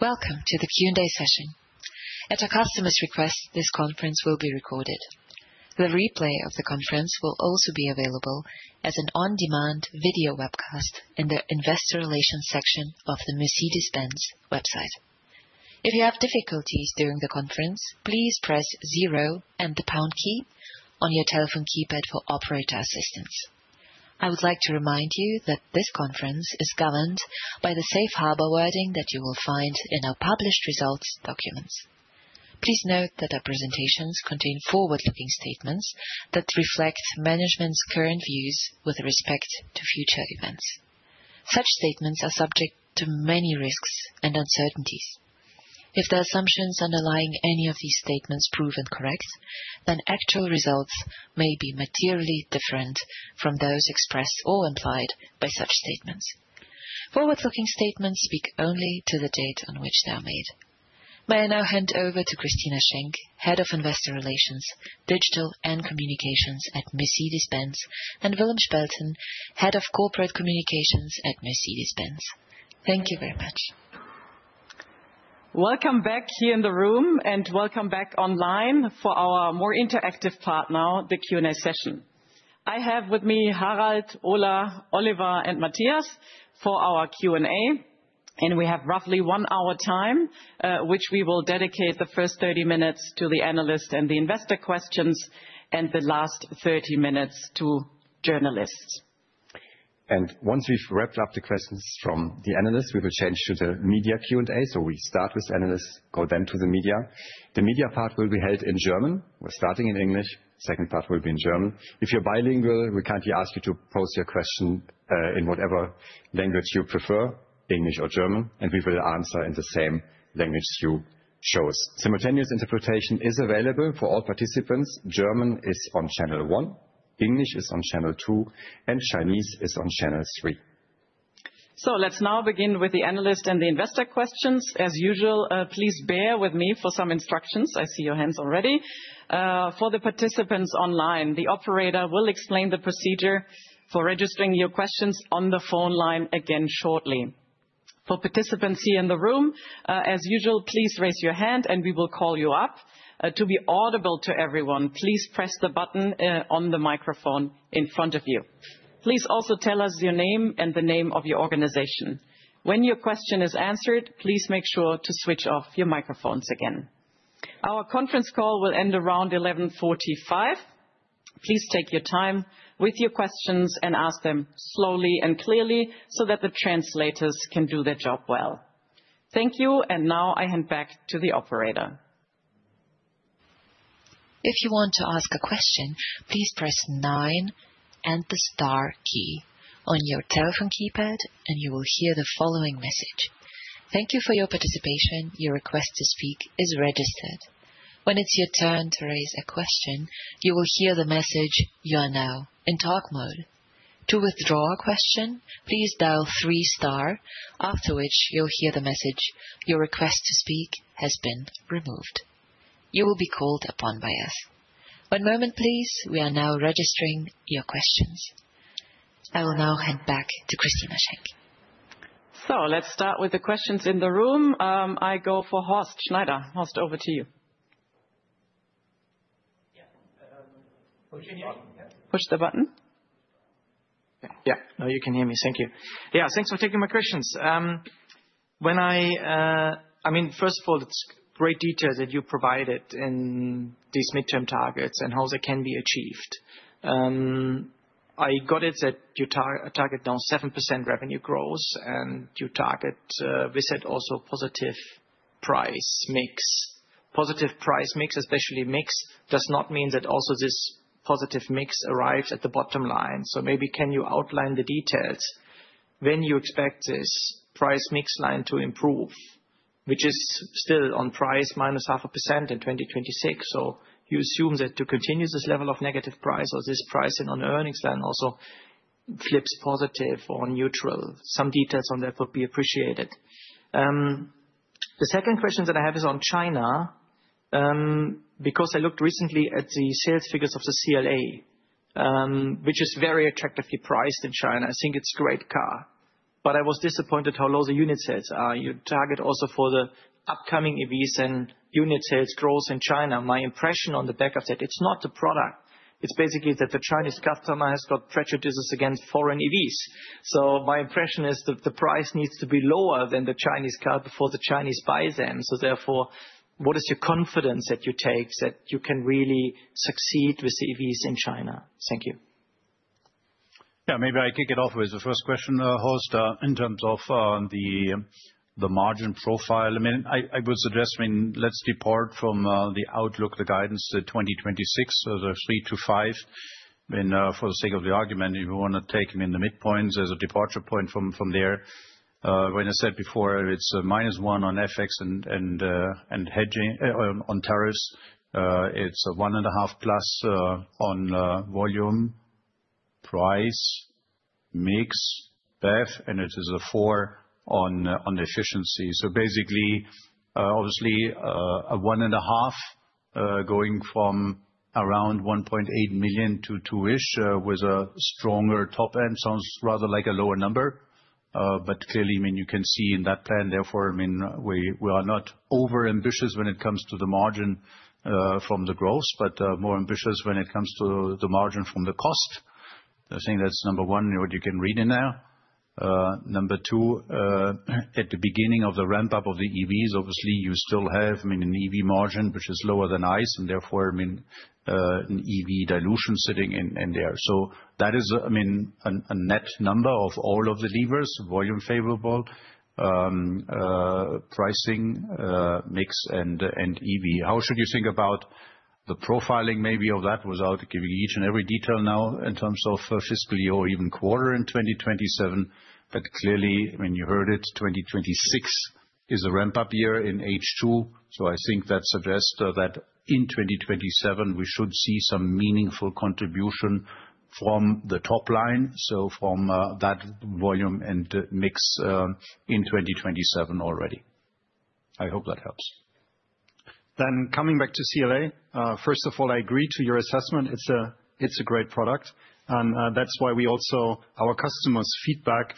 Welcome to the Q&A session. At a customer's request, this conference will be recorded. The replay of the conference will also be available as an on-demand video webcast in the investor relations section of the Mercedes-Benz website. If you have difficulties during the conference, please press zero and the pound key on your telephone keypad for operator assistance. I would like to remind you that this conference is governed by the safe harbor wording that you will find in our published results documents. Please note that our presentations contain forward-looking statements that reflect management's current views with respect to future events. Such statements are subject to many risks and uncertainties. If the assumptions underlying any of these statements prove incorrect, then actual results may be materially different from those expressed or implied by such statements. Forward-looking statements speak only to the date on which they are made. May I now hand over to Christina Schenck, Head of Investor Relations, Digital and Communications at Mercedes-Benz, and Willem Spelten, Head of Corporate Communications at Mercedes-Benz. Thank you very much. Welcome back here in the room, and welcome back online for our more interactive part now, the Q&A session. I have with me Harald, Ola, Oliver, and Matthias for our Q&A, and we have roughly 1 hour time, which we will dedicate the first 30 minutes to the analyst and the investor questions, and the last 30 minutes to journalists. Once we've wrapped up the questions from the analysts, we will change to the media Q&A. We start with analysts, go then to the media. The media part will be held in German. We're starting in English, second part will be in German. If you're bilingual, we kindly ask you to pose your question in whatever language you prefer, English or German, and we will answer in the same language you chose. Simultaneous interpretation is available for all participants. German is on channel one, English is on channel two, and Chinese is on channel three. So let's now begin with the analyst and the investor questions. As usual, please bear with me for some instructions. I see your hands already. For the participants online, the operator will explain the procedure for registering your questions on the phone line again shortly. For participants here in the room, as usual, please raise your hand, and we will call you up. To be audible to everyone, please press the button on the microphone in front of you. Please also tell us your name and the name of your organization. When your question is answered, please make sure to switch off your microphones again. Our conference call will end around 11:45. Please take your time with your questions and ask them slowly and clearly, so that the translators can do their job well. Thank you, and now I hand back to the operator. If you want to ask a question, please press nine and the star key on your telephone keypad, and you will hear the following message: "Thank you for your participation. Your request to speak is registered." When it's your turn to raise a question, you will hear the message, "You are now in talk mode." To withdraw a question, please dial three star, after which you'll hear the message, "Your request to speak has been removed." You will be called upon by us. One moment, please, we are now registering your questions. I will now hand back to Christina Schenck. Let's start with the questions in the room. I go for Horst Schneider. Horst, over to you. Yeah, push the button, yeah? Push the button. Yeah. Now you can hear me. Thank you. Yeah, thanks for taking my questions. I mean, first of all, it's great detail that you provided in these midterm targets and how they can be achieved. I got it that you target down 7% revenue growth, and you target, we said also positive price mix. Positive price mix, especially mix, does not mean that also this positive mix arrives at the bottom line. So maybe can you outline the details, when you expect this price mix line to improve, which is still on price minus 0.5% in 2026. So you assume that to continue this level of negative price or this pricing on earnings line also flips positive or neutral. Some details on that would be appreciated. The second question that I have is on China, because I looked recently at the sales figures of the CLA, which is very attractively priced in China. I think it's a great car, but I was disappointed how low the unit sales are. You target also for the upcoming EVs and unit sales growth in China. My impression on the back of that, it's not the product, it's basically that the Chinese customer has got prejudices against foreign EVs. So my impression is that the price needs to be lower than the Chinese car before the Chinese buy them. So therefore, what is your confidence that you take, that you can really succeed with EVs in China? Thank you. Yeah, maybe I kick it off with the first question, Horst, in terms of the margin profile. I mean, I would suggest, I mean, let's depart from the outlook, the guidance to 2026. So the 3-5, and for the sake of the argument, if you want to take them in the midpoints, there's a departure point from there. When I said before, it's minus 1 on FX and hedging, on tariffs, it's a +1.5 on volume, price, mix, BEV, and it is a 4 on efficiency. So basically, obviously, going from around 1.8 million to 2-ish, with a stronger top end, sounds rather like a lower number. But clearly, I mean, you can see in that plan, therefore, I mean, we are not over ambitious when it comes to the margin from the growth, but more ambitious when it comes to the margin from the cost. I think that's number one, you know, what you can read in there. Number two, at the beginning of the ramp-up of the EVs, obviously, you still have, I mean, an EV margin, which is lower than ICE, and therefore, I mean, an EV dilution sitting in there. So that is, I mean, a net number of all of the levers, volume favorable, pricing, mix, and EV. How should you think about the profiling maybe of that, without giving each and every detail now in terms of fiscally or even quarter in 2027? But clearly, when you heard it, 2026 is a ramp-up year in H2, so I think that suggests that, that in 2027, we should see some meaningful contribution from the top line, so from that volume and mix in 2027 already. I hope that helps. Coming back to CLA. First of all, I agree to your assessment. It's a great product, and that's why our customers feedback,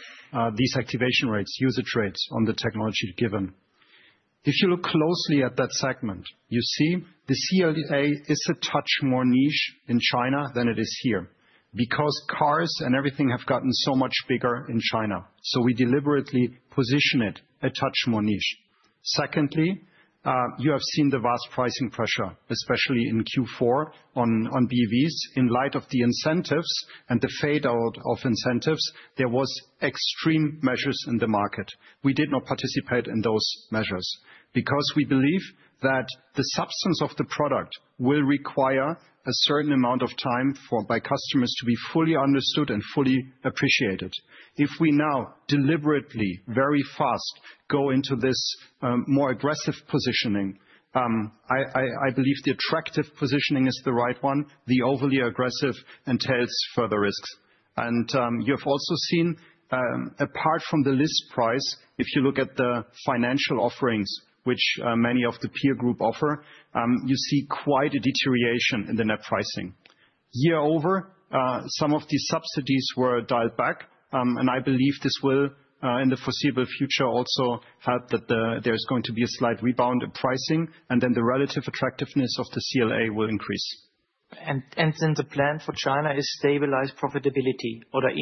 these activation rates, user rates on the technology given. If you look closely at that segment, you see the CLA is a touch more niche in China than it is here, because cars and everything have gotten so much bigger in China, so we deliberately position it a touch more niche. Secondly, you have seen the vast pricing pressure, especially in Q4, on BEVs. In light of the incentives and the fade-out of incentives, there was extreme measures in the market. We did not participate in those measures, because we believe that the substance of the product will require a certain amount of time for customers to be fully understood and fully appreciated. If we now deliberately, very fast, go into this, more aggressive positioning, I believe the attractive positioning is the right one. The overly aggressive entails further risks. You've also seen, apart from the list price, if you look at the financial offerings, which many of the peer group offer, you see quite a deterioration in the net pricing. Year-over-year, some of these subsidies were dialed back, and I believe this will, in the foreseeable future, also help that there's going to be a slight rebound in pricing, and then the relative attractiveness of the CLA will increase. And then the plan for China is stabilized profitability or the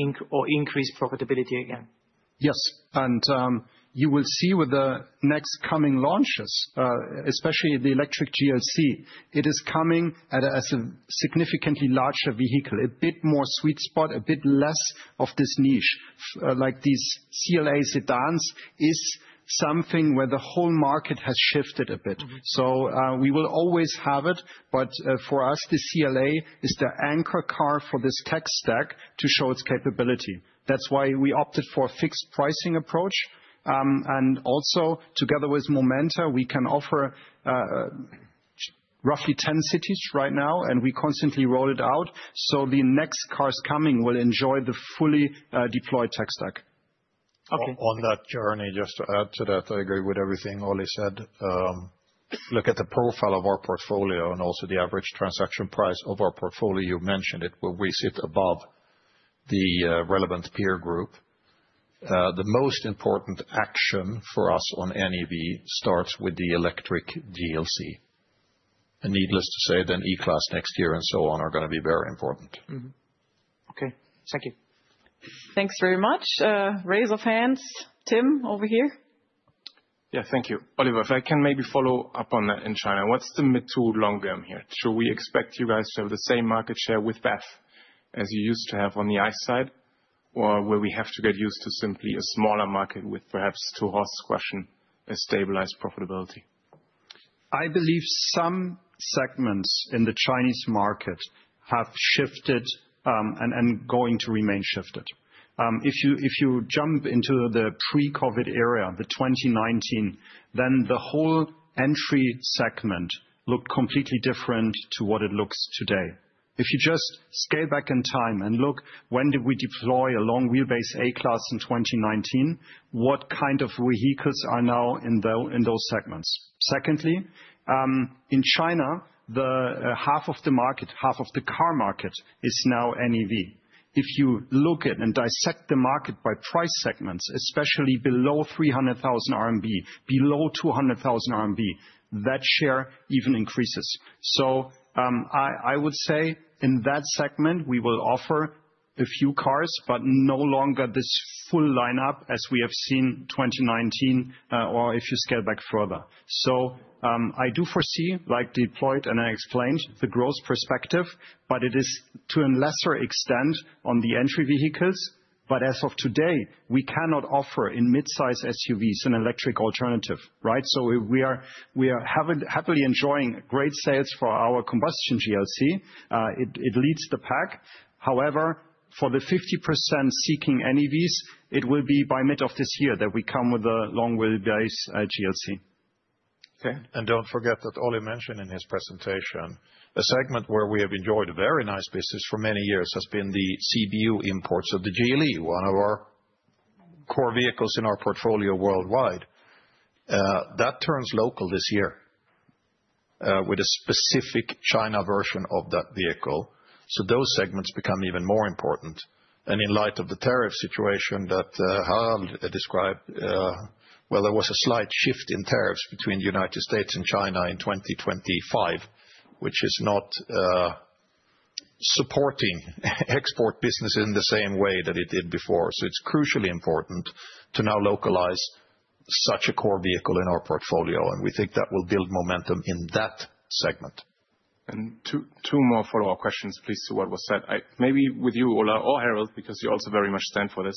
increased profitability again? Yes, and you will see with the next coming launches, especially the electric GLC, it is coming at a, as a significantly larger vehicle, a bit more sweet spot, a bit less of this niche. Like, these CLA sedans is something where the whole market has shifted a bit. Mm-hmm. So, we will always have it, but, for us, the CLA is the anchor car for this tech stack to show its capability. That's why we opted for a fixed pricing approach. And also, together with Momenta, we can offer, roughly 10 cities right now, and we constantly roll it out, so the next cars coming will enjoy the fully deployed tech stack. Okay. On that journey, just to add to that, I agree with everything Ola said. Look at the profile of our portfolio and also the average transaction price of our portfolio. You mentioned it, where we sit above the relevant peer group. The most important action for us on NEV starts with the electric GLC. And needless to say, then E-Class next year and so on are gonna be very important. Mm-hmm. Okay, thank you. Thanks very much. Raise of hands. Tim, over here. Yeah, thank you. Oliver, if I can maybe follow up on that in China, what's the mid to long term here? Should we expect you guys to have the same market share with BEV as you used to have on the ICE side, or will we have to get used to simply a smaller market with perhaps, to Horst's question, a stabilized profitability? I believe some segments in the Chinese market have shifted, and going to remain shifted. If you jump into the pre-COVID era, the 2019, then the whole entry segment looked completely different to what it looks today. If you just scale back in time and look, when did we deploy a long wheelbase A-Class in 2019, what kind of vehicles are now in those segments? Secondly, in China, half of the market, half of the car market is now NEV. If you look at and dissect the market by price segments, especially below 300,000 RMB, below 200,000 RMB, that share even increases. So, I, I would say in that segment, we will offer a few cars, but no longer this full lineup as we have seen 2019, or if you scale back further. So, I do foresee, like deployed and I explained, the growth perspective, but it is to a lesser extent on the entry vehicles. But as of today, we cannot offer in midsize SUVs an electric alternative, right? So we are, we are happily enjoying great sales for our combustion GLC. It, it leads the pack. However, for the 50% seeking NEVs, it will be by mid of this year that we come with a long-wheelbase GLC. Okay. Don't forget that Ola mentioned in his presentation a segment where we have enjoyed a very nice business for many years: the CBU imports. So the GLE, one of our-... core vehicles in our portfolio worldwide, that turns local this year, with a specific China version of that vehicle. So those segments become even more important. And in light of the tariff situation that Harald described, well, there was a slight shift in tariffs between the United States and China in 2025, which is not supporting export business in the same way that it did before. So it's crucially important to now localize such a core vehicle in our portfolio, and we think that will build momentum in that segment. And two more follow-up questions, please, to what was said. I maybe with you, Ola, or Harald, because you also very much stand for this.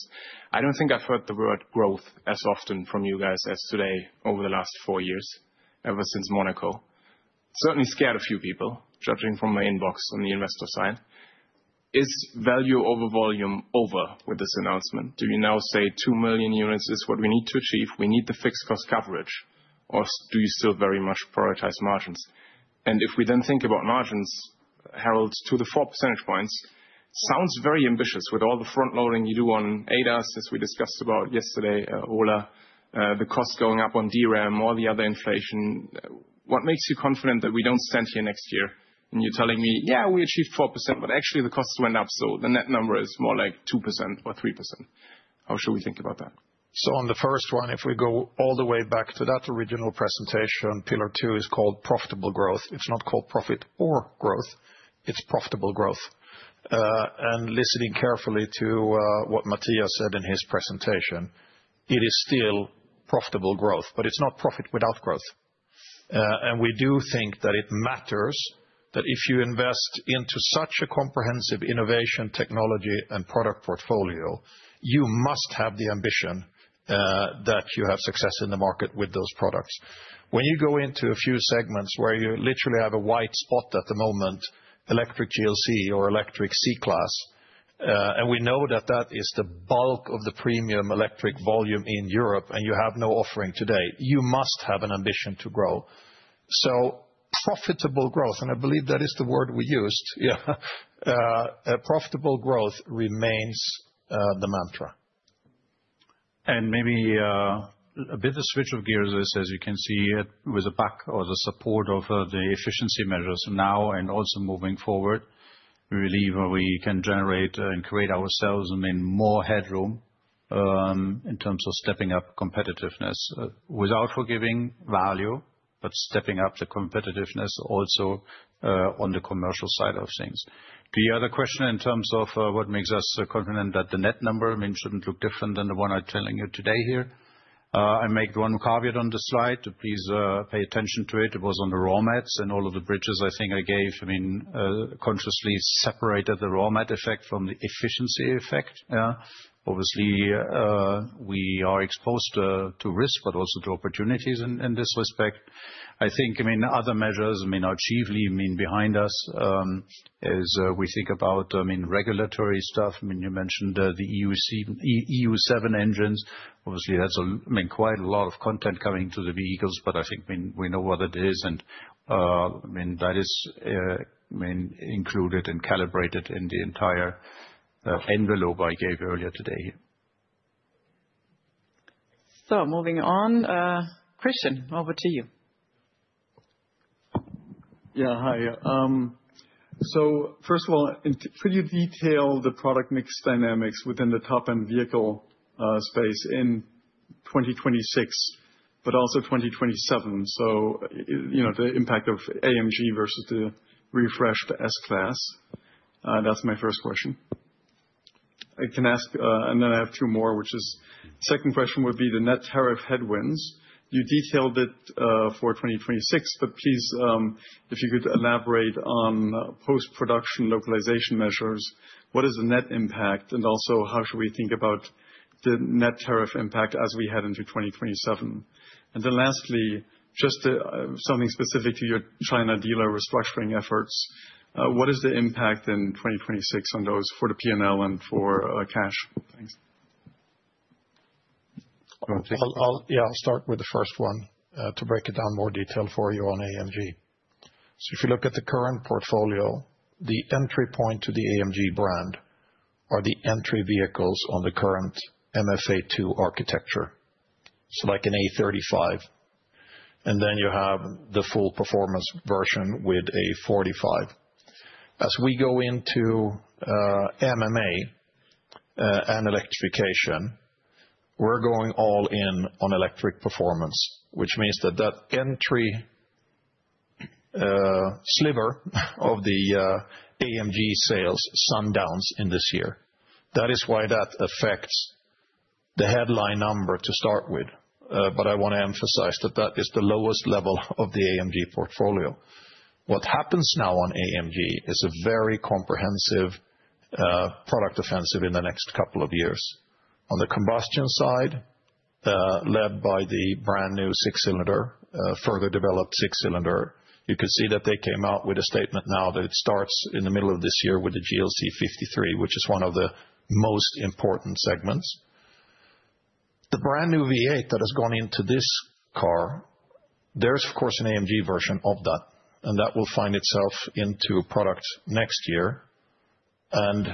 I don't think I've heard the word growth as often from you guys as today over the last 4 years, ever since Monaco. Certainly scared a few people, judging from my inbox on the investor side. Is value over volume over with this announcement? Do you now say 2 million units is what we need to achieve, we need the fixed cost coverage, or do you still very much prioritize margins? And if we then think about margins, Harald, to the 4 percentage points, sounds very ambitious with all the front loading you do on ADAS, as we discussed about yesterday, Ola, the cost going up on DRAM, all the other inflation. What makes you confident that we don't stand here next year and you're telling me: "Yeah, we achieved 4%, but actually the costs went up, so the net number is more like 2% or 3%"? How should we think about that? So on the first one, if we go all the way back to that original presentation, pillar two is called profitable growth. It's not called profit or growth, it's profitable growth. And listening carefully to what Matthias said in his presentation, it is still profitable growth, but it's not profit without growth. And we do think that it matters, that if you invest into such a comprehensive innovation, technology, and product portfolio, you must have the ambition that you have success in the market with those products. When you go into a few segments where you literally have a wide spot at the moment, electric GLC or electric C-Class, and we know that that is the bulk of the premium electric volume in Europe, and you have no offering today, you must have an ambition to grow. So profitable growth, and I believe that is the word we used, yeah, profitable growth remains the mantra. And maybe a bit of switch of gears is, as you can see, with the back or the support of the efficiency measures now and also moving forward, we believe we can generate and create ourselves and mean more headroom in terms of stepping up competitiveness. Without forgiving value, but stepping up the competitiveness also on the commercial side of things. The other question in terms of what makes us confident that the net number, I mean, shouldn't look different than the one I'm telling you today here. I make one caveat on the slide, please pay attention to it. It was on the raw mats and all of the hedges I think I gave. I mean, consciously separated the raw mat effect from the efficiency effect, yeah. Obviously, we are exposed to risk, but also to opportunities in this respect. I think, I mean, other measures, I mean, are chiefly behind us, as we think about, I mean, regulatory stuff. I mean, you mentioned the EU7 engines. Obviously, that means quite a lot of content coming to the vehicles, but I think, I mean, we know what it is, and, I mean, that is included and calibrated in the entire envelope I gave earlier today. Moving on, Christina, over to you. Yeah, hi. So first of all, could you detail the product mix dynamics within the top-end vehicle space in 2026, but also 2027? So, you know, the impact of AMG versus the refreshed S-Class. That's my first question. I can ask and then I have two more, which is, second question would be the net tariff headwinds. You detailed it for 2026, but please, if you could elaborate on post-production localization measures, what is the net impact? And also, how should we think about the net tariff impact as we head into 2027. And then lastly, just, something specific to your China dealer restructuring efforts, what is the impact in 2026 on those for the P&L and for cash? Thanks. You want me to take it? I'll... Yeah, I'll start with the first one, to break it down in more detail for you on AMG. So if you look at the current portfolio, the entry point to the AMG brand are the entry vehicles on the current MFA2 architecture. So like an A 35, and then you have the full performance version with A 45. As we go into, MMA, and electrification, we're going all in on electric performance, which means that that entry, sliver of the, AMG sales winds down in this year. That is why that affects the headline number to start with. But I want to emphasize that that is the lowest level of the AMG portfolio. What happens now on AMG is a very comprehensive, product offensive in the next couple of years. On the combustion side, led by the brand new six-cylinder, further developed six-cylinder, you can see that they came out with a statement now that it starts in the middle of this year with the CLE 53, which is one of the most important segments. The brand new V8 that has gone into this car. There is, of course, an AMG version of that, and that will find itself into a product next year. And,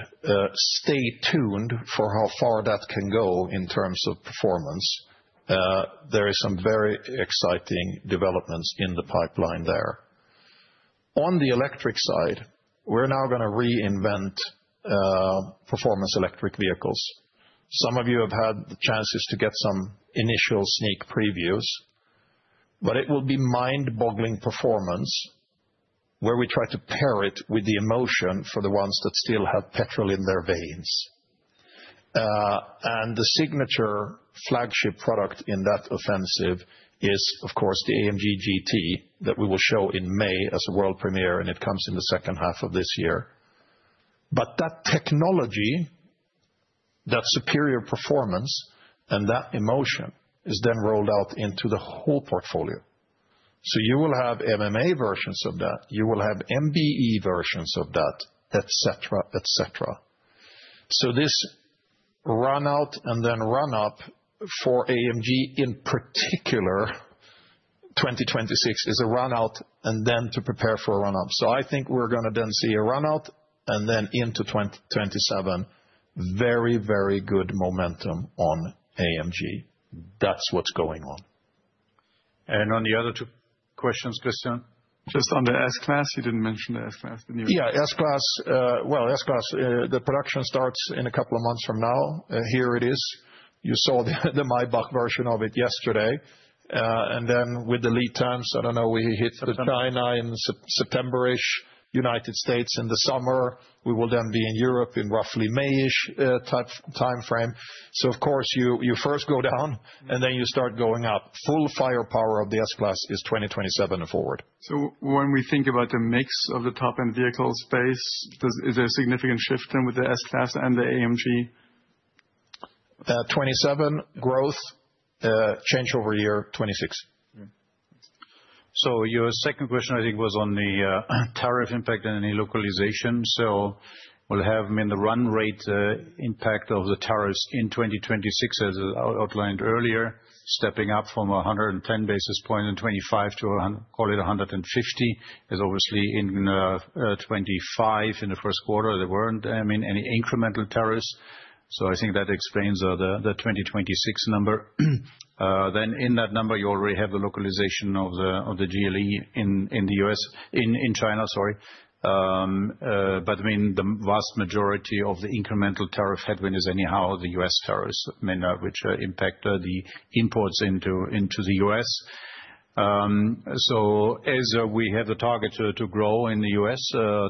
stay tuned for how far that can go in terms of performance. There is some very exciting developments in the pipeline there. On the electric side, we're now gonna reinvent performance electric vehicles. Some of you have had the chances to get some initial sneak previews, but it will be mind-boggling performance, where we try to pair it with the emotion for the ones that still have petrol in their veins. And the signature flagship product in that offensive is, of course, the AMG GT that we will show in May as a world premiere, and it comes in the H2 of this year. But that technology, that superior performance, and that emotion is then rolled out into the whole portfolio. So you will have MMA versions of that, you will have MB.EA versions of that, et cetera, et cetera. So this run-out and then run-up for AMG, in particular, 2026, is a run-out and then to prepare for a run-up. I think we're gonna then see a run-out, and then into 2027, very, very good momentum on AMG. That's what's going on. On the other two questions, Christina? Just on the S-Class, you didn't mention the S-Class, the new- Yeah, S-Class. Well, S-Class, the production starts in a couple of months from now. Here it is. You saw the Maybach version of it yesterday. And then with the lead times, I don't know, we hit China in September-ish, United States in the summer. We will then be in Europe in roughly May-ish typical timeframe. So of course, you first go down, and then you start going up. Full firepower of the S-Class is 2027 and forward. So when we think about the mix of the top-end vehicle space, is there a significant shift then with the S-Class and the AMG? 27, growth, change over year, 26. So your second question, I think, was on the tariff impact and any localization. So we'll have, I mean, the run rate impact of the tariffs in 2026, as I outlined earlier, stepping up from 110 basis points in 2025 to around, call it 150, is obviously in 2025. In the Q1, there weren't, I mean, any incremental tariffs, so I think that explains the 2026 number. Then in that number, you already have the localization of the GLE in the U.S., in China, sorry. But, I mean, the vast majority of the incremental tariff headwind is anyhow the U.S. tariffs, mainly, which impact the imports into the U.S. So as we have the target to grow in the U.S.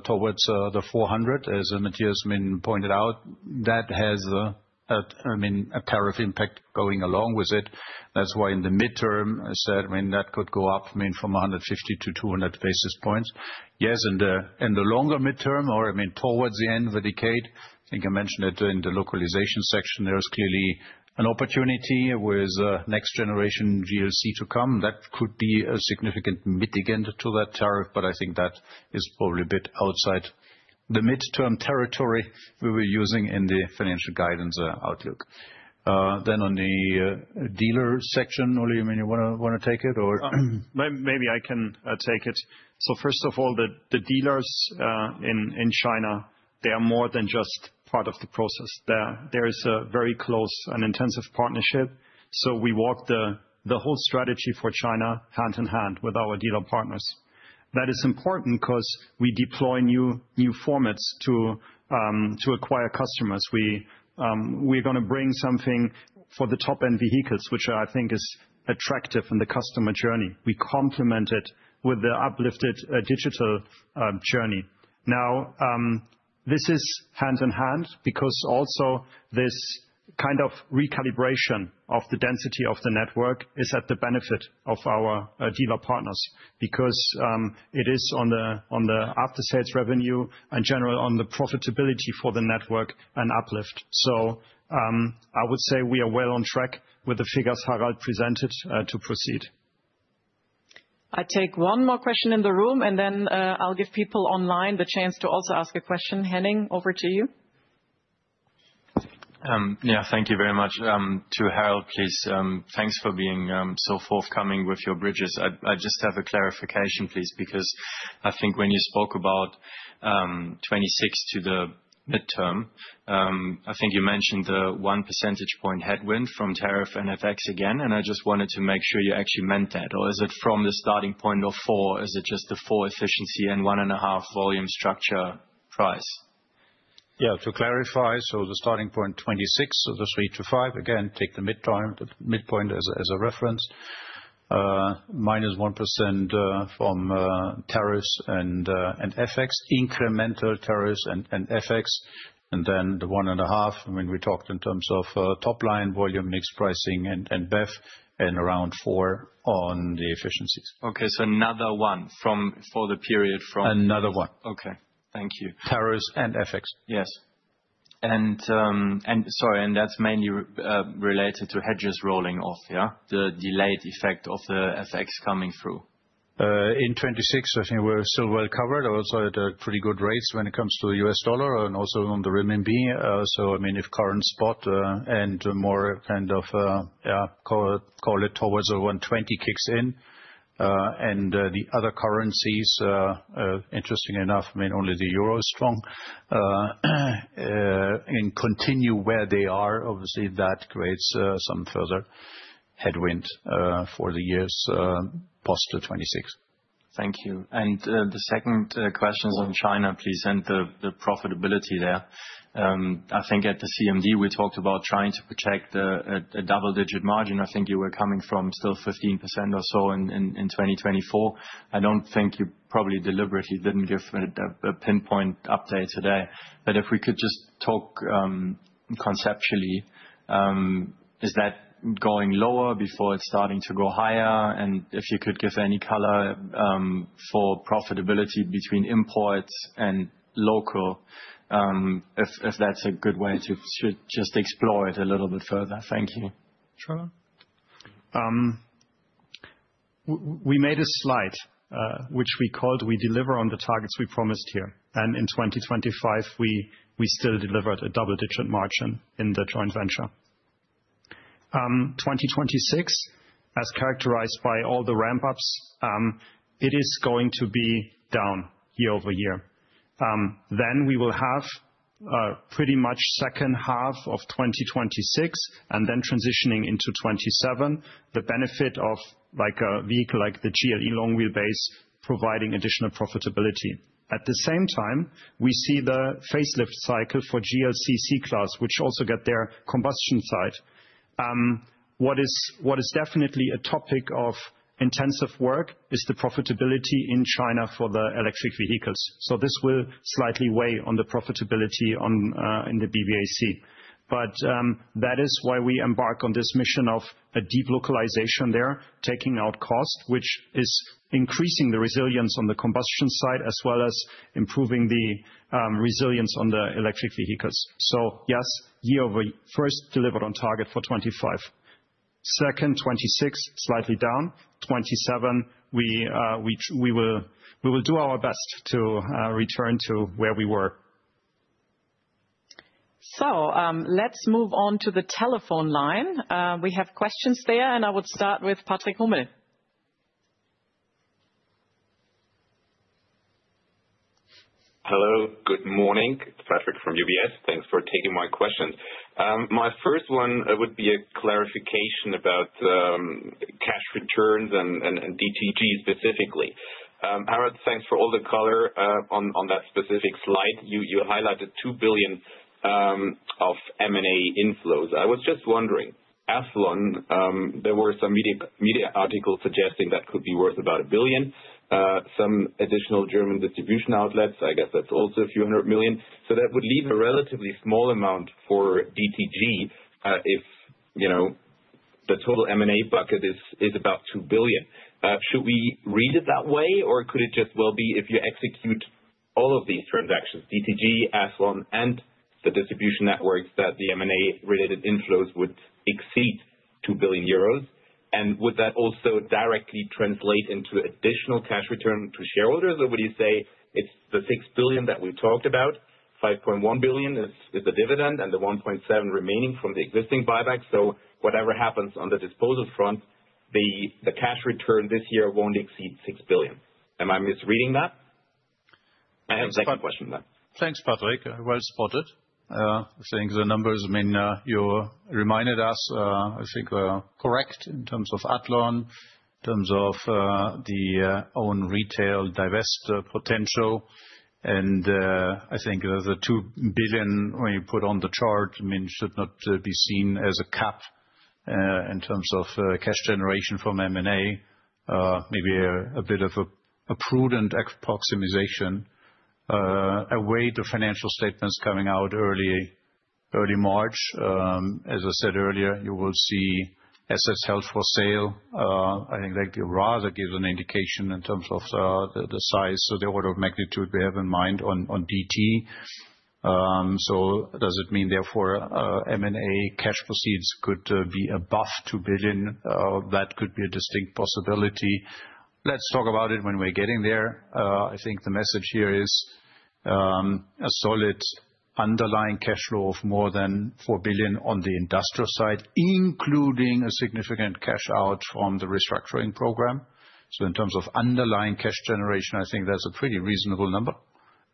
towards the 400, as Matthias, I mean, pointed out, that has a tariff impact going along with it. That's why in the midterm, I said, I mean, that could go up, I mean, from 150 to 200 basis points. Yes, in the longer midterm, or, I mean, towards the end of the decade, I think I mentioned it in the localization section, there is clearly an opportunity with next generation GLC to come. That could be a significant mitigant to that tariff, but I think that is probably a bit outside the midterm territory we were using in the financial guidance outlook. Then on the dealer section, Oliver, you wanna take it or? Maybe I can take it. So first of all, the dealers in China, they are more than just part of the process. There is a very close and intensive partnership, so we walk the whole strategy for China hand in hand with our dealer partners. That is important 'cause we deploy new formats to acquire customers. We're gonna bring something for the top-end vehicles, which I think is attractive in the customer journey. We complement it with the uplifted digital journey. Now, this is hand in hand because also this kind of recalibration of the density of the network is at the benefit of our dealer partners, because it is on the after-sales revenue and generally on the profitability for the network and uplift. So, I would say we are well on track with the figures Harald presented, to proceed. I take one more question in the room, and then, I'll give people online the chance to also ask a question. Henning, over to you. Yeah, thank you very much. To Harald, please, thanks for being so forthcoming with your bridges. I just have a clarification, please, because I think when you spoke about '2026 to the midterm, I think you mentioned 1 percentage point headwind from tariff and FX again, and I just wanted to make sure you actually meant that. Or is it from the starting point of 4? Is it just the 4 efficiency and 1.5 volume structure price? Yeah, to clarify, so the starting point 26, so the 3-5. Again, take the midterm, the midpoint as a, as a reference. Minus 1% from tariffs and FX, incremental tariffs and FX, and then the 1.5, I mean, we talked in terms of top line volume, mix pricing and BEV, and around 4 on the efficiencies. Okay, so another one from... for the period from- Another one. Okay. Thank you. Tariffs and FX. Yes. And sorry, that's mainly related to hedges rolling off, yeah? The delayed effect of the FX coming through.... in 2026, I think we're still well covered. Also at a pretty good rates when it comes to the US dollar and also on the renminbi. So, I mean, if current spot, and more kind of, yeah, call, call it towards the 1.20 kicks in, and, the other currencies, interestingly enough, I mean, only the euro is strong. And continue where they are, obviously that creates, some further headwind, for the years, plus to 2026. Thank you. And the second question is on China, please, and the profitability there. I think at the CMD, we talked about trying to protect a double-digit margin. I think you were coming from still 15% or so in 2024. I don't think you probably deliberately didn't give a pinpoint update today. But if we could just talk conceptually, is that going lower before it's starting to go higher? And if you could give any color for profitability between imports and local, if that's a good way to just explore it a little bit further. Thank you. Sure. We made a slide, which we called We Deliver On The Targets We Promised Here, and in 2025, we still delivered a double-digit margin in the joint venture. 2026, as characterized by all the ramp-ups, it is going to be down year-over-year. Then we will have pretty much H2 of 2026, and then transitioning into 2027, the benefit of, like, a vehicle like the GLE long wheelbase, providing additional profitability. At the same time, we see the facelift cycle for GLC C-Class, which also get their combustion side. What is definitely a topic of intensive work is the profitability in China for the electric vehicles. So this will slightly weigh on the profitability on in the BBAC. But, that is why we embark on this mission of a deep localization there, taking out cost, which is increasing the resilience on the combustion side, as well as improving the, resilience on the electric vehicles. So yes, year-over-year, first, delivered on target for 2025. Second, 2026, slightly down. 2027, we, we will do our best to, return to where we were. So, let's move on to the telephone line. We have questions there, and I would start with Patrick Hummel. Hello, good morning. Patrick from UBS. Thanks for taking my questions. My first one would be a clarification about cash returns and DTG, specifically. Harald, thanks for all the color on that specific slide. You highlighted 2 billion of M&A inflows. I was just wondering, Athlon, there were some media articles suggesting that could be worth about 1 billion. Some additional German distribution outlets, I guess that's also a few hundred million EUR. So that would leave a relatively small amount for DTG, if you know, the total M&A bucket is about 2 billion. Should we read it that way, or could it just well be if you execute all of these transactions, DTG, Athlon, and the distribution networks, that the M&A-related inflows would exceed 2 billion euros? Would that also directly translate into additional cash return to shareholders? Or would you say it's the 6 billion that we talked about, 5.1 billion is the dividend, and the 1.7 billion remaining from the existing buyback, so whatever happens on the disposal front, the cash return this year won't exceed 6 billion. Am I misreading that? I have a second question then. Thanks, Patrick. Well spotted. I think the numbers, I mean, you reminded us, I think, correct in terms of Athlon, in terms of, the, own retail divest potential. And, I think the 2 billion we put on the chart, I mean, should not, be seen as a cap, in terms of, cash generation from M&A. Maybe a, a bit of a, a prudent approximation. A way the financial statements coming out early, early March. As I said earlier, you will see assets held for sale. I think that rather gives an indication in terms of, the, the size, so the order of magnitude we have in mind on, on DT. So does it mean therefore, M&A cash proceeds could, be above 2 billion? That could be a distinct possibility. Let's talk about it when we're getting there. I think the message here is, a solid underlying cash flow of more than 4 billion on the industrial side, including a significant cash out on the restructuring program. So in terms of underlying cash generation, I think that's a pretty reasonable number.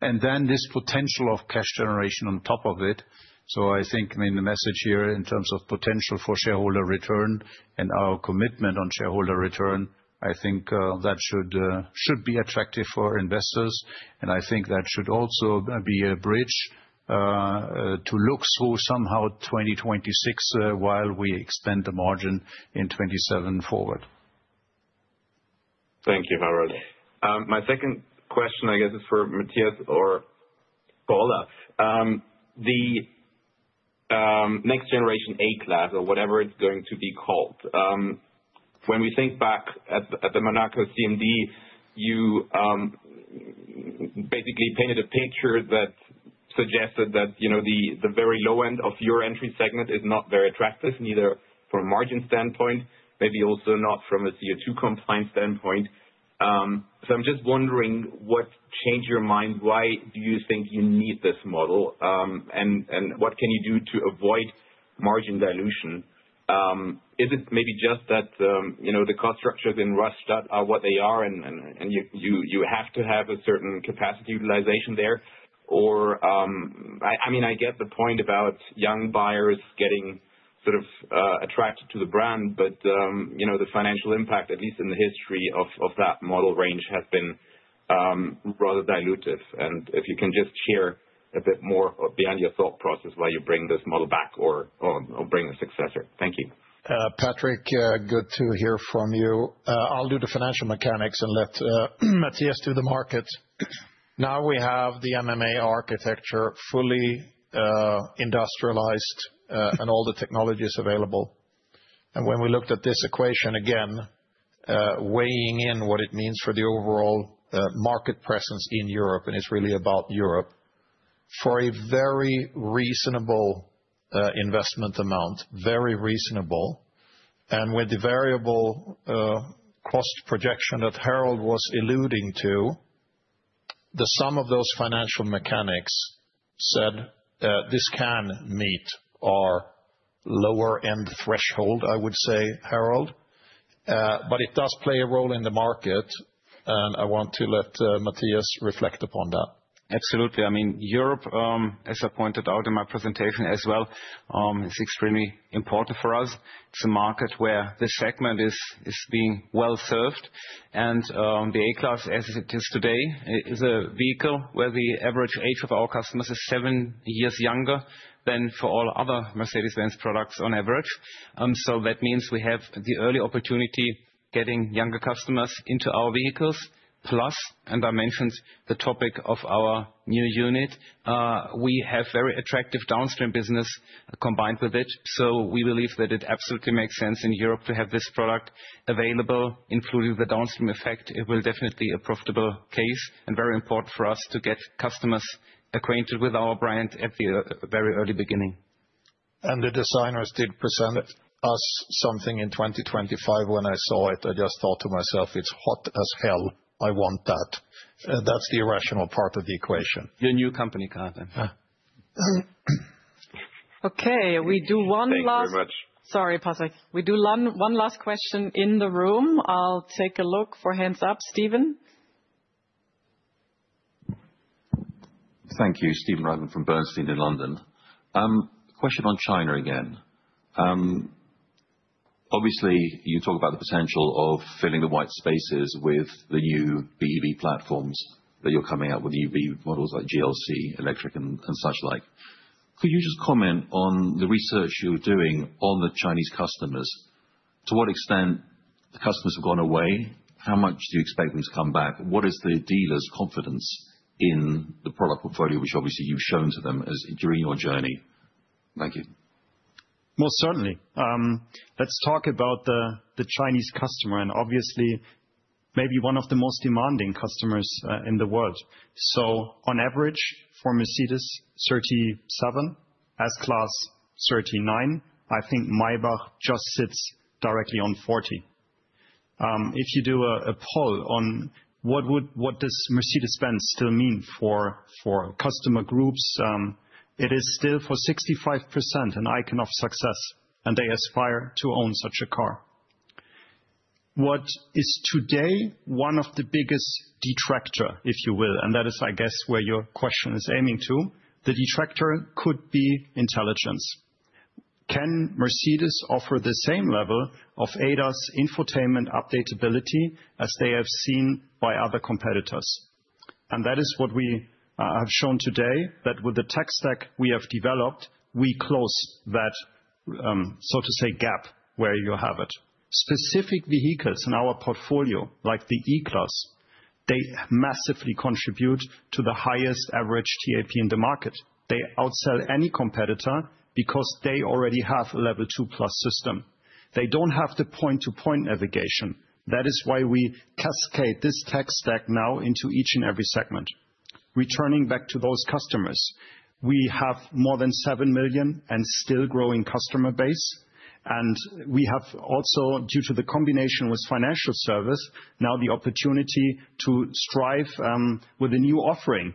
And then this potential of cash generation on top of it. So I think, I mean, the message here in terms of potential for shareholder return and our commitment on shareholder return, I think, that should should be attractive for investors, and I think that should also be a bridge, to look through somehow 2026, while we extend the margin in 2027 forward. Thank you, Harald. My second question, I guess, is for Matthias or Ola. The next generation A-Class or whatever it's going to be called, when we think back at the Monaco CMD, you basically painted a picture that suggested that, you know, the very low end of your entry segment is not very attractive, neither from a margin standpoint, maybe also not from a CO2 compliance standpoint. So I'm just wondering, what changed your mind? Why do you think you need this model, and what can you do to avoid margin dilution? Is it maybe just that, you know, the cost structures in Rastatt are what they are, and you have to have a certain capacity utilization there? I mean, I get the point about young buyers getting sort of attracted to the brand, but you know, the financial impact, at least in the history of that model range, has been rather dilutive. If you can just share a bit more behind your thought process, why you bring this model back or bring a successor? Thank you. Patrick, good to hear from you. I'll do the financial mechanics and let Matthias do the market. Now we have the MMA architecture fully industrialized, and all the technologies available. And when we looked at this equation again, weighing in what it means for the overall market presence in Europe, and it's really about Europe, for a very reasonable investment amount, very reasonable, and with the variable cost projection that Harald was alluding to, the sum of those financial mechanics said that this can meet our lower-end threshold, I would say, Harald. But it does play a role in the market, and I want to let Matthias reflect upon that. Absolutely. I mean, Europe, as I pointed out in my presentation as well, is extremely important for us. It's a market where the segment is being well served, and, the A-Class, as it is today, is a vehicle where the average age of our customers is seven years younger than for all other Mercedes-Benz products on average. So that means we have the early opportunity getting younger customers into our vehicles. Plus, and I mentioned the topic of our new unit, we have very attractive downstream business combined with it, so we believe that it absolutely makes sense in Europe to have this product available, including the downstream effect. It will definitely a profitable case, and very important for us to get customers acquainted with our brand at the very early beginning. The designers did present us something in 2025. When I saw it, I just thought to myself, "It's hot as hell. I want that." That's the irrational part of the equation. Your new company car then. Yeah. Okay, we do one last- Thank you very much. Sorry, Patrick. We do one last question in the room. I'll take a look for hands up. Stephen? Thank you. Stephen Reitman from Bernstein in London. Question on China again. Obviously, you talk about the potential of filling the white spaces with the new BEV platforms that you're coming out with, the new BEV models, like GLC, electric and, and such like. Could you just comment on the research you're doing on the Chinese customers? To what extent the customers have gone away? How much do you expect them to come back? What is the dealers' confidence in the product portfolio, which obviously you've shown to them as, during your journey? Thank you. Most certainly. Let's talk about the Chinese customer, and obviously maybe one of the most demanding customers in the world. So on average, for Mercedes, 37, S-Class, 39. I think Maybach just sits directly on 40. If you do a poll on what does Mercedes-Benz still mean for customer groups, it is still, for 65%, an icon of success, and they aspire to own such a car. What is today one of the biggest detractor, if you will, and that is, I guess, where your question is aiming to, the detractor could be intelligence. Can Mercedes offer the same level of ADAS infotainment updateability as they have seen by other competitors? And that is what we have shown today, that with the tech stack we have developed, we close that, so to say, gap, where you have it. Specific vehicles in our portfolio, like the E-Class, they massively contribute to the highest average ATP in the market. They outsell any competitor because they already have a level two-plus system. They don't have the point-to-point navigation. That is why we cascade this tech stack now into each and every segment. Returning back to those customers, we have more than 7 million and still growing customer base, and we have also, due to the combination with financial service, now the opportunity to strive with a new offering,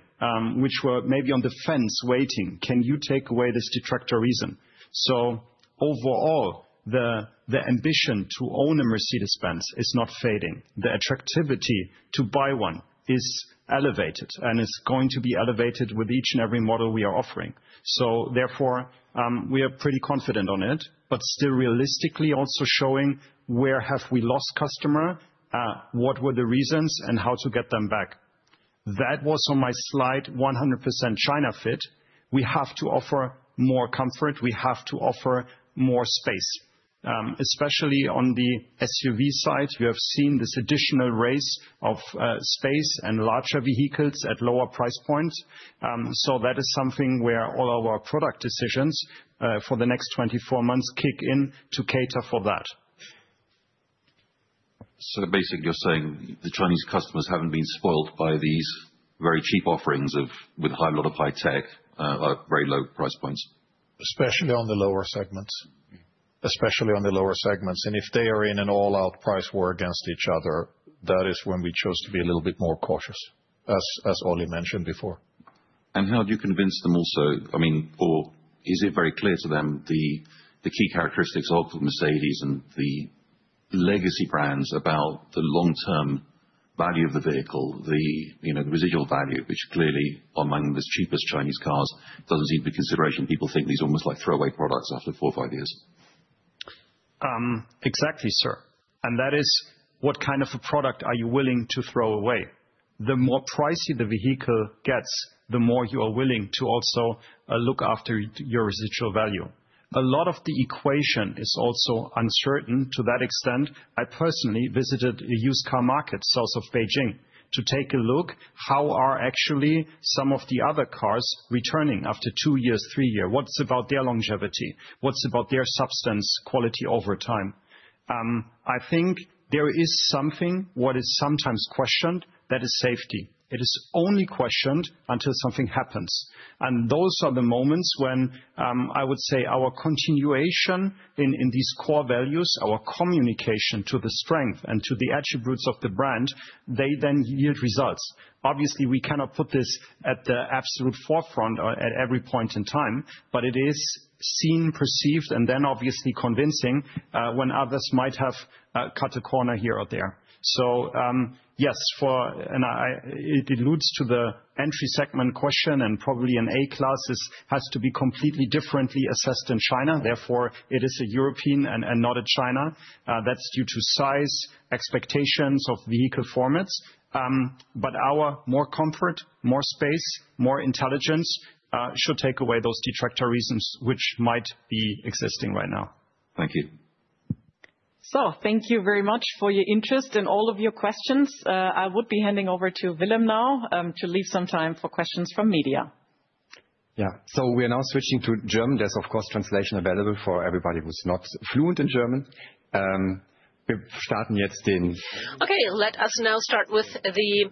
which were maybe on the fence, waiting. Can you take away this detractor reason? So overall, the ambition to own a Mercedes-Benz is not fading. The attractivity to buy one is elevated and is going to be elevated with each and every model we are offering. So therefore, we are pretty confident on it, but still realistically also showing where have we lost customer, what were the reasons, and how to get them back. That was on my slide, 100% China fit. We have to offer more comfort. We have to offer more space. Especially on the SUV side, we have seen this additional race of space and larger vehicles at lower price points. So that is something where all our product decisions for the next 24 months kick in to cater for that.... So basically, you're saying the Chinese customers haven't been spoiled by these very cheap offerings of, with a lot of high tech, at very low price points? Especially on the lower segments. Especially on the lower segments, and if they are in an all-out price war against each other, that is when we chose to be a little bit more cautious, as Oli mentioned before. How do you convince them also? I mean, or is it very clear to them, the key characteristics of Mercedes and the legacy brands, about the long-term value of the vehicle, the, you know, the residual value, which clearly, among the cheapest Chinese cars, doesn't seem to be a consideration. People think these are almost like throwaway products after four or five years. Exactly, sir, and that is, what kind of a product are you willing to throw away? The more pricey the vehicle gets, the more you are willing to also look after your residual value. A lot of the equation is also uncertain to that extent. I personally visited a used car market, south of Beijing, to take a look, how are actually some of the other cars returning after 2 years, 3 years? What's about their longevity? What's about their substance quality over time? I think there is something, what is sometimes questioned, that is safety. It is only questioned until something happens. And those are the moments when, I would say, our continuation in these core values, our communication to the strength and to the attributes of the brand, they then yield results. Obviously, we cannot put this at the absolute forefront or at every point in time, but it is seen, perceived, and then obviously convincing, when others might have cut a corner here or there. So, yes, And I it alludes to the entry segment question, and probably an A-Class, this has to be completely differently assessed in China. Therefore, it is a European and not a China. That's due to size, expectations of vehicle formats. But our more comfort, more space, more intelligence should take away those detractor reasons which might be existing right now. Thank you. So thank you very much for your interest and all of your questions. I would be handing over to Willem now to leave some time for questions from media. Yeah. So we are now switching to German. There's, of course, translation available for everybody who's not fluent in German. Okay, let us now start with the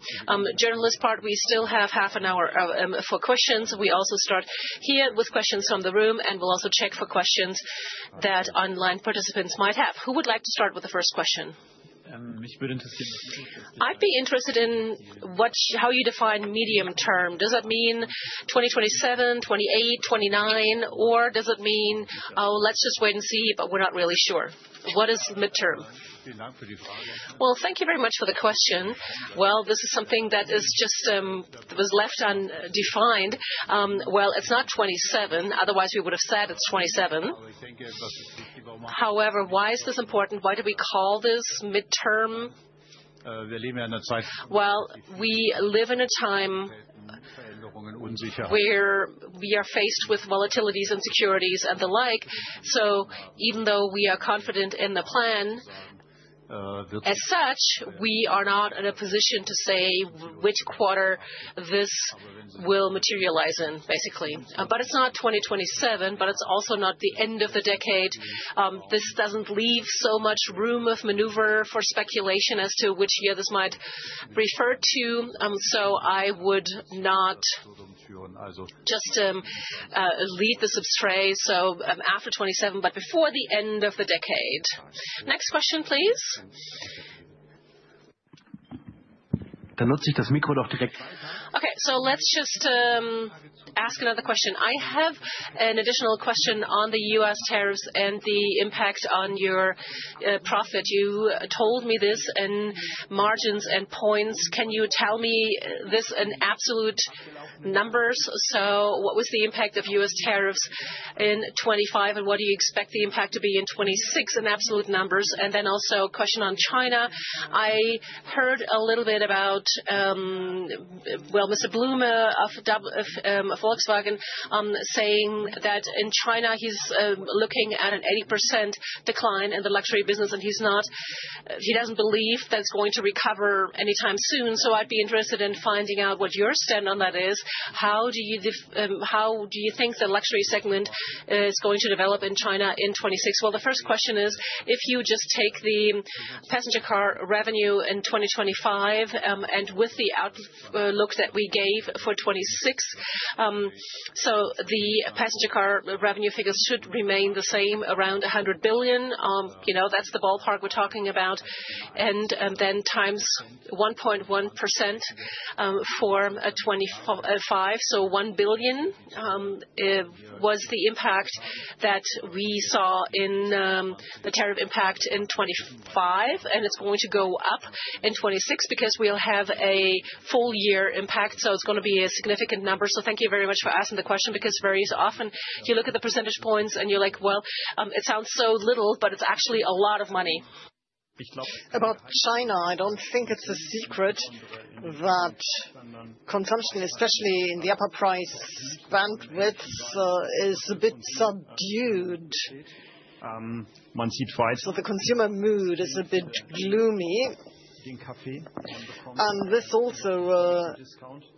journalist part. We still have half an hour for questions. We also start here with questions from the room, and we'll also check for questions that online participants might have. Who would like to start with the first question? I'd be interested in what how you define medium-term. Does that mean 2027, 2028, 2029, or does it mean, "Oh, let's just wait and see, but we're not really sure"? What is midterm? Well, thank you very much for the question. Well, this is something that is just, was left undefined. Well, it's not 27, otherwise, we would have said it's 27. However, why is this important? Why do we call this midterm? Well, we live in a time where we are faced with volatilities, insecurities, and the like. So even though we are confident in the plan, as such, we are not in a position to say which quarter this will materialize in, basically. But it's not 2027, but it's also not the end of the decade. This doesn't leave so much room of maneuver for speculation as to which year this might refer to, so I would not just leave this astray. So, after 27, but before the end of the decade. Next question, please. Okay, so let's just ask another question. I have an additional question on the US tariffs and the impact on your profit. You told me this in margins and points. Can you tell me this in absolute numbers? So what was the impact of US tariffs in 2025, and what do you expect the impact to be in 2026, in absolute numbers? And then also, a question on China. I heard a little bit about, well, Mr. Blume of Volkswagen, saying that in China, he's looking at an 80% decline in the luxury business, and he doesn't believe that's going to recover anytime soon. So I'd be interested in finding out what your stand on that is. How do you think the luxury segment is going to develop in China in 2026? Well, the first question is, if you just take the passenger car revenue in 2025, and with the outlook that we gave for 2026, so the passenger car revenue figures should remain the same, around 100 billion. You know, that's the ballpark we're talking about, and, then times 1.1%, from twenty-five. So 1 billion was the impact that we saw in the tariff impact in 2025, and it's going to go up in 2026 because we'll have a full year impact, so it's gonna be a significant number. So thank you very much for asking the question, because very often you look at the percentage points and you're like, "Well, it sounds so little," but it's actually a lot of money. About China, I don't think it's a secret that consumption, especially in the upper price bandwidths, is a bit subdued. So the consumer mood is a bit gloomy. ... This also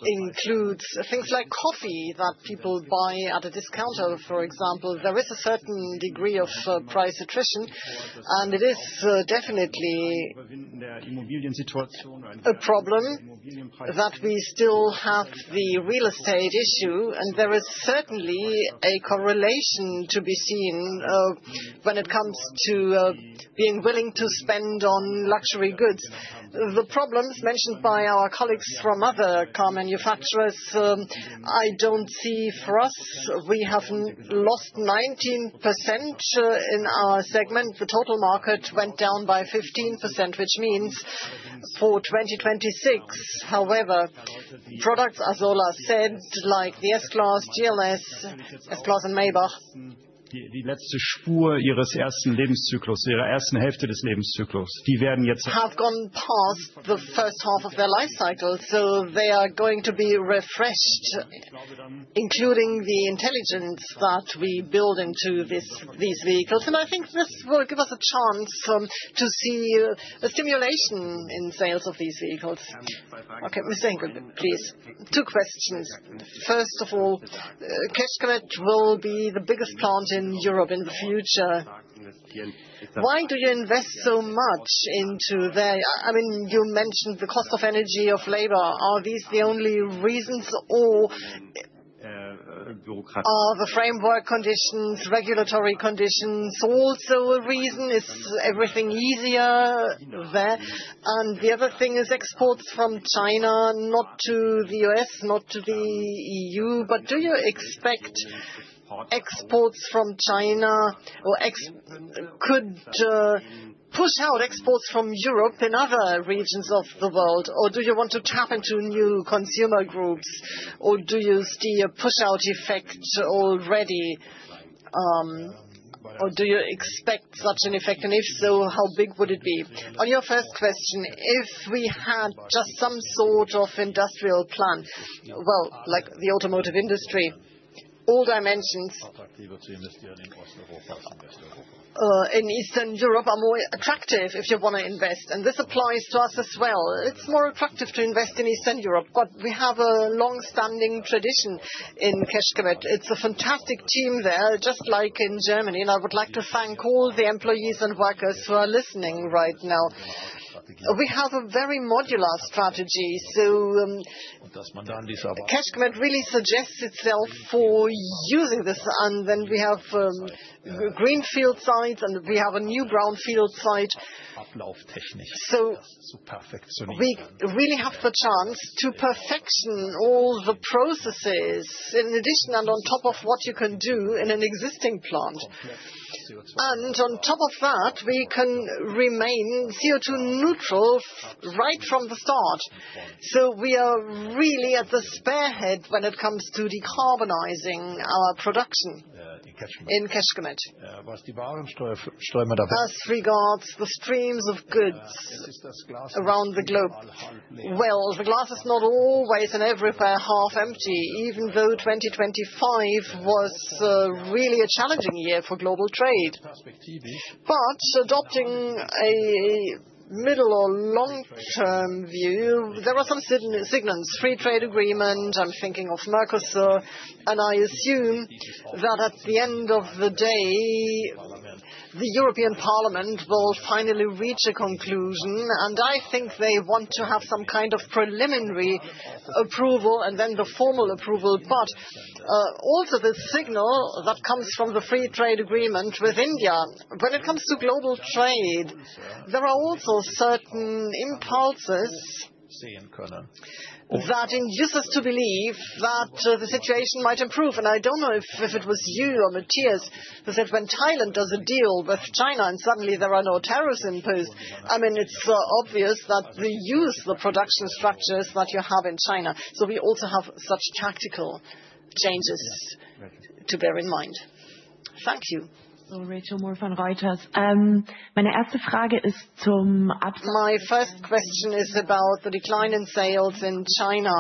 includes things like coffee that people buy at a discounter, for example. There is a certain degree of price attrition, and it is definitely a problem that we still have the real estate issue, and there is certainly a correlation to be seen when it comes to being willing to spend on luxury goods. The problems mentioned by our colleagues from other car manufacturers, I don't see for us. We have lost 19% in our segment. The total market went down by 15%, which means for 2026. However, products, as Ola said, like the S-Class, GLS, S-Class, and Maybach have gone past the H1 of their life cycle, so they are going to be refreshed, including the intelligence that we build into these vehicles. I think this will give us a chance to see a simulation in sales of these vehicles. Okay, Ms. Engel, please. Two questions. First of all, Kecskemét will be the biggest plant in Europe in the future. Why do you invest so much into there? I mean, you mentioned the cost of energy, of labor. Are these the only reasons, or are the framework conditions, regulatory conditions, also a reason? Is everything easier there? And the other thing is exports from China, not to the U.S., not to the EU, but do you expect exports from China could push out exports from Europe in other regions of the world? Or do you want to ATP into new consumer groups, or do you see a push-out effect already, or do you expect such an effect? And if so, how big would it be? On your first question, if we had just some sort of industrial plant, well, like the automotive industry, all dimensions in Eastern Europe are more attractive if you want to invest, and this applies to us as well. It's more attractive to invest in Eastern Europe, but we have a long-standing tradition in Kecskemét. It's a fantastic team there, just like in Germany, and I would like to thank all the employees and workers who are listening right now. We have a very modular strategy, so Kecskemét really suggests itself for using this. And then we have greenfield sites, and we have a new brownfield site. So we really have the chance to perfection all the processes in addition and on top of what you can do in an existing plant. On top of that, we can remain CO2 neutral right from the start. So we are really at the spearhead when it comes to decarbonizing our production in Kecskemét. As regards the streams of goods around the globe, well, the glass is not always and everywhere half empty, even though 2025 was really a challenging year for global trade. But adopting a middle or long-term view, there are some signals. Free trade agreement, I'm thinking of Mercosur, and I assume that at the end of the day, the European Parliament will finally reach a conclusion, and I think they want to have some kind of preliminary approval and then the formal approval. But also the signal that comes from the free trade agreement with India. When it comes to global trade, there are also certain impulses that induce us to believe that the situation might improve. And I don't know if it was you or Matthias who said when Thailand does a deal with China, and suddenly there are no tariffs imposed. I mean, it's obvious that we use the production structures that you have in China. So we also have such tactical changes to bear in mind. Thank you. So Rachel More from Reuters. My first question is about the decline in sales in China.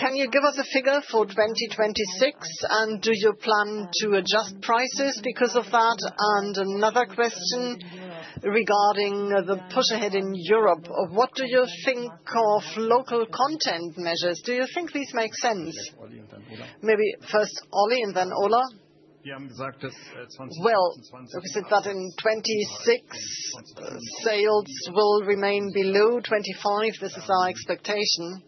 Can you give us a figure for 2026, and do you plan to adjust prices because of that? And another question regarding the push ahead in Europe. What do you think of local content measures? Do you think these make sense? Maybe first Oli and then Ola. Well, we said that in 2026, sales will remain below 2025. This is our expectation.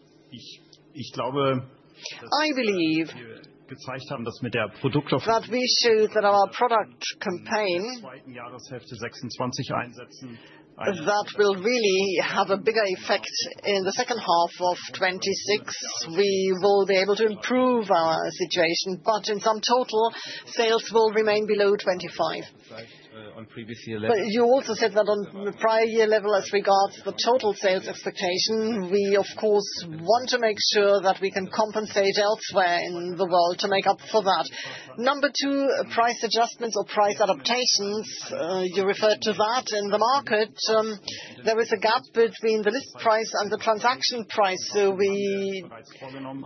I believe that we showed that our product campaign, that will really have a bigger effect in the H2 of 2026. We will be able to improve our situation, but in some total, sales will remain below 2025. But you also said that on prior year level, as regards the total sales expectation, we of course want to make sure that we can compensate elsewhere in the world to make up for that. Number two, price adjustments or price adaptations, you referred to that in the market. There is a gap between the list price and the transaction price, so we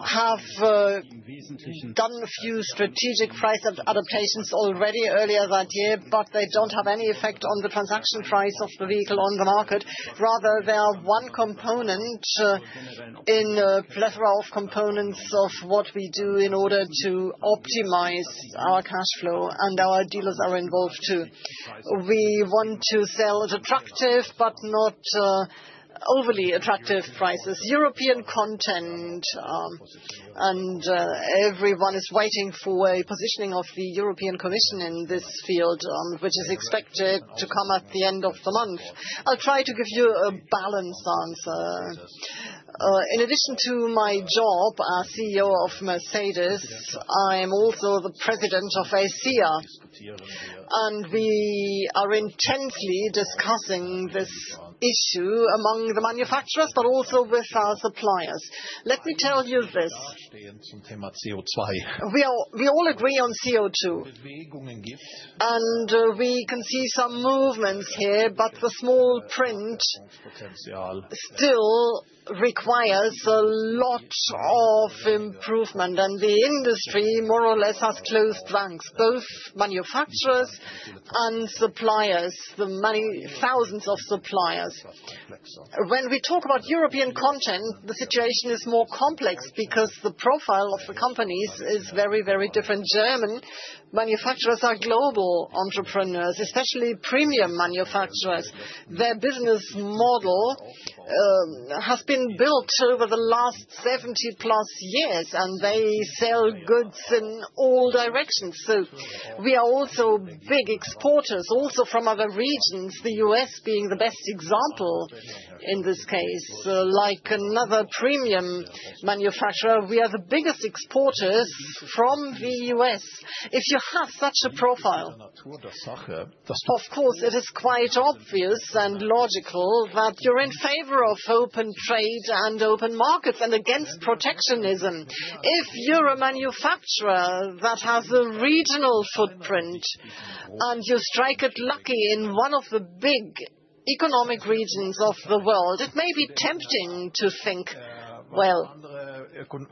have done a few strategic price adaptations already earlier that year, but they don't have any effect on the transaction price of the vehicle on the market. Rather, they are one component in a plethora of components of what we do in order to optimize our cash flow, and our dealers are involved, too. We want to sell attractive, but not overly attractive prices, European content, and everyone is waiting for a positioning of the European Commission in this field, which is expected to come at the end of the month. I'll try to give you a balanced answer. In addition to my job as CEO of Mercedes, I'm also the president of ACEA, and we are intensely discussing this issue among the manufacturers, but also with our suppliers. Let me tell you this, we all, we all agree on CO2, and we can see some movements here, but the small print still requires a lot of improvement, and the industry, more or less, has closed ranks, both manufacturers and suppliers, the many thousands of suppliers. When we talk about European content, the situation is more complex because the profile of the companies is very, very different. German manufacturers are global entrepreneurs, especially premium manufacturers. Their business model has been built over the last 70+ years, and they sell goods in all directions. So we are also big exporters, also from other regions, the U.S. being the best example in this case. Like another premium manufacturer, we are the biggest exporters from the U.S. If you have such a profile, of course, it is quite obvious and logical that you're in favor of open trade and open markets, and against protectionism. If you're a manufacturer that has a regional footprint, and you strike it lucky in one of the big economic regions of the world, it may be tempting to think,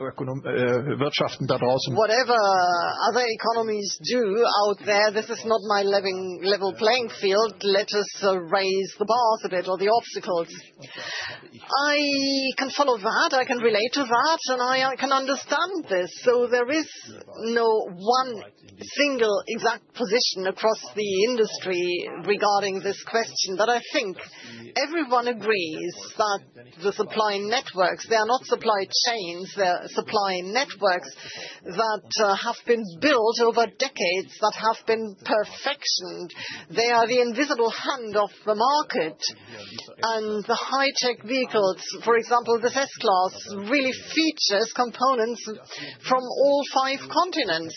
"Well, whatever other economies do out there, this is not my living-level playing field. Let us, raise the bar a bit or the obstacles." I can follow that, I can relate to that, and I, I can understand this. So there is no one single exact position across the industry regarding this question. But I think everyone agrees that the supply networks, they are not supply chains, they're supply networks that have been built over decades, that have been perfected. They are the invisible hand of the market. And the high-tech vehicles, for example, the S-Class, really features components from all five continents.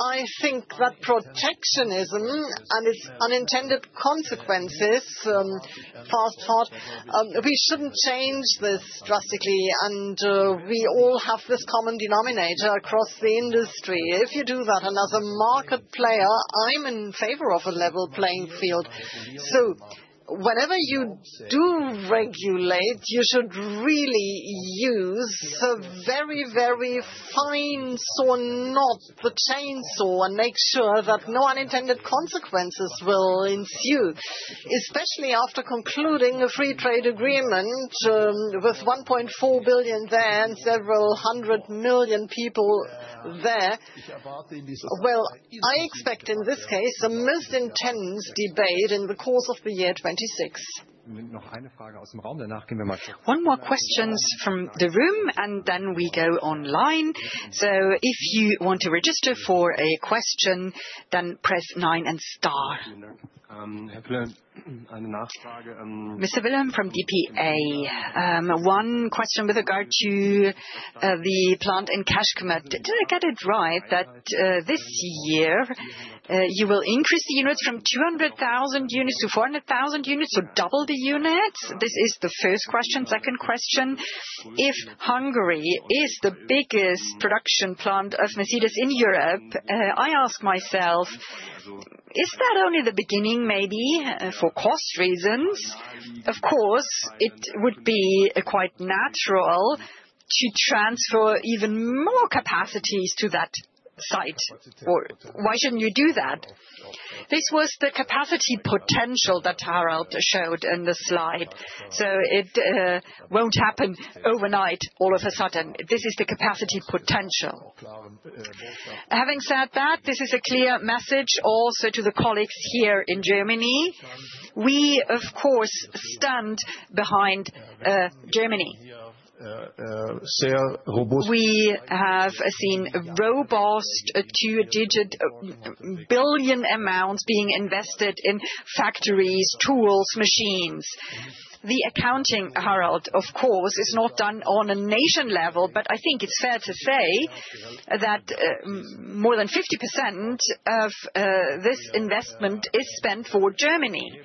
I think that protectionism and its unintended consequences, first thought, we shouldn't change this drastically, and we all have this common denominator across the industry. If you do that, another market player, I'm in favor of a level playing field. So whatever you do regulate, you should really use a very, very fine saw, not the chainsaw, and make sure that no unintended consequences will ensue, especially after concluding a free trade agreement with 1.4 billion there and several hundred million people there. Well, I expect, in this case, the most intense debate in the course of the year 2026. One more question from the room, and then we go online. So if you want to register for a question, then press nine and star. Mr. Willem, from DPA. One question with regard to the plant and Kecskemét. Did I get it right that this year you will increase the units from 200,000 units to 400,000 units, so double the units? This is the first question. Second question, if Hungary is the biggest production plant of Mercedes in Europe, I ask myself, is that only the beginning, maybe, for cost reasons? Of course, it would be quite natural to transfer even more capacities to that site. Or why shouldn't you do that? This was the capacity potential that Harald showed in the slide. So it won't happen overnight, all of a sudden. This is the capacity potential. Having said that, this is a clear message also to the colleagues here in Germany. We, of course, stand behind Germany. We have seen a robust two-digit billion EUR amounts being invested in factories, tools, machines. The accounting, Harald, of course, is not done on a nation level, but I think it's fair to say that more than 50% of this investment is spent for Germany.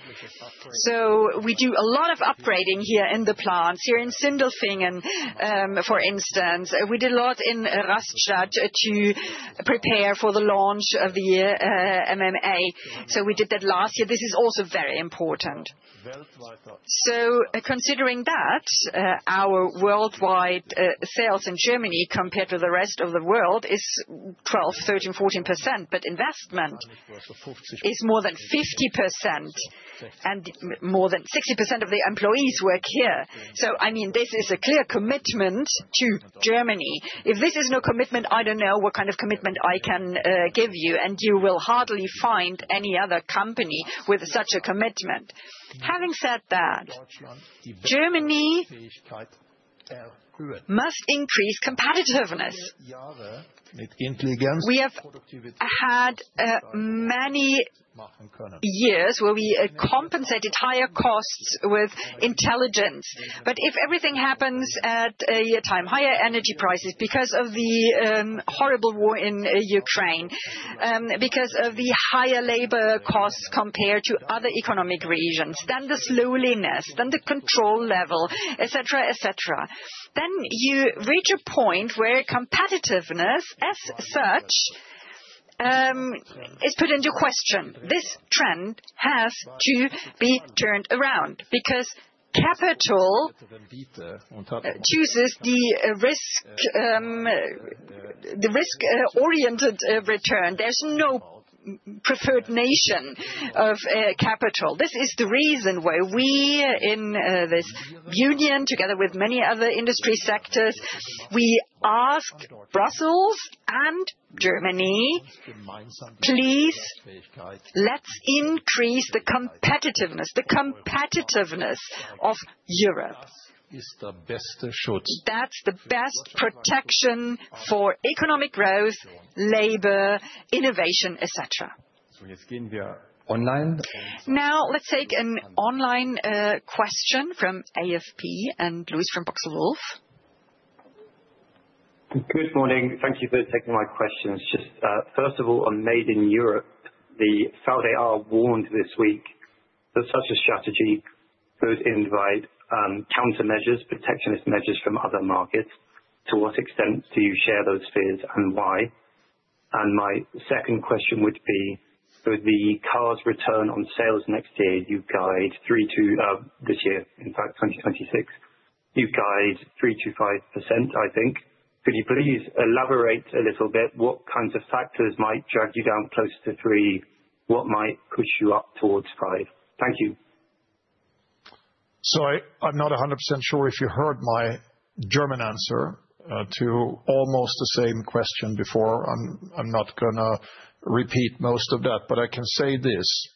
So we do a lot of upgrading here in the plants, here in Sindelfingen, for instance. We did a lot in Rastatt to prepare for the launch of the MMA. So we did that last year. This is also very important. So considering that, our worldwide sales in Germany, compared to the rest of the world, is 12%-14%, but investment is more than 50%, and more than 60% of the employees work here. So, I mean, this is a clear commitment to Germany. If this is no commitment, I don't know what kind of commitment I can give you, and you will hardly find any other company with such a commitment. Having said that, Germany-... must increase competitiveness. We have had many years where we compensated higher costs with intelligence. But if everything happens at a time, higher energy prices, because of the horrible war in Ukraine, because of the higher labor costs compared to other economic regions, then the slowness, then the control level, et cetera, et cetera. Then you reach a point where competitiveness as such is put into question. This trend has to be turned around because capital chooses the risk, the risk oriented return. There's no preferred nation of capital. This is the reason why we in this union, together with many other industry sectors, we asked Brussels and Germany, "Please, let's increase the competitiveness, the competitiveness of Europe." That's the best protection for economic growth, labor, innovation, et cetera. Online. Now, let's take an online question from AFP, and Lewis from Boxer Wolf. Good morning. Thank you for taking my questions. Just, first of all, on Made in Europe, the ACEA warned this week that such a strategy could invite, countermeasures, protectionist measures from other markets. To what extent do you share those fears, and why? And my second question would be, with the cars return on sales next year, you guide 3 to, this year, in fact, 2026. You guide 3%-5%, I think. Could you please elaborate a little bit, what kinds of factors might drag you down closer to 3? What might push you up towards 5? Thank you. So I'm not 100% sure if you heard my German answer to almost the same question before. I'm not gonna repeat most of that, but I can say this: